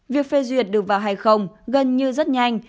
việc phê duyệt được vào hay không gần như rất nhanh